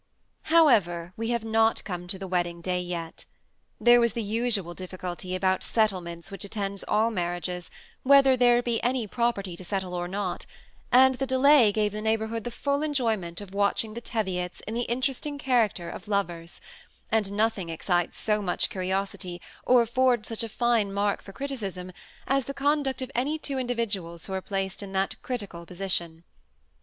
However, we have not come to the wedding day yet There was the usaal difficulty ahout settlements which attends all marriages, whether there be any property to settle or not ; and the delay gave the neighborhood the full enjoyment of watching the Teviots in the interesting character of lovers ; and nothing excites so much curios ity, or affords such a fine mark for criticism, as the con duct of any two individuals who are placed in that critical position.